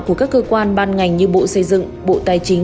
của các cơ quan ban ngành như bộ xây dựng bộ tài chính